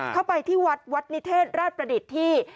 เข้าไปที่วัดวัดนิเทศราชประดิษฐ์ที่